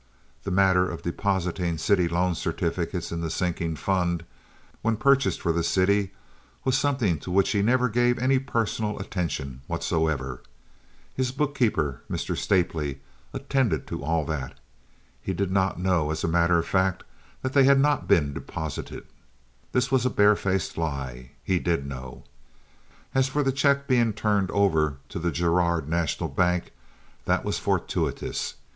The matter of depositing city loan certificates in the sinking fund, when purchased for the city, was something to which he never gave any personal attention whatsoever. His bookkeeper, Mr. Stapley, attended to all that. He did not know, as a matter of fact, that they had not been deposited. (This was a barefaced lie. He did know.) As for the check being turned over to the Girard National Bank, that was fortuitous.